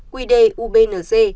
quy đề ubnd